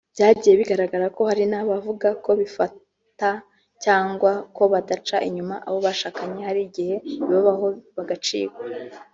Byagiye bigaragara ko hari abavuga ko bifata cyangwa ko badaca inyuma abo bashakanye hari igihe bibabaho bagacikwa